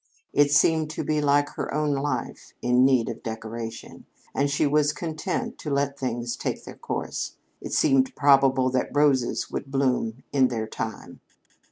It seemed to be like her own life, in need of decoration, and she was content to let things take their course. It seemed probable that roses would bloom in their time.